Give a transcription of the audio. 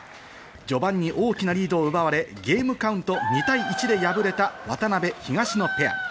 序盤に大きなリードを奪われ、ゲームカウント２対１で敗れた渡辺・東野ペア。